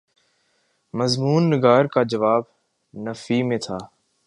مضمون نگار کا جواب نفی میں تھا۔